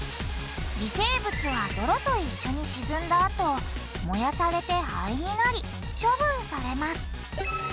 微生物は泥と一緒に沈んだあと燃やされて灰になり処分されます。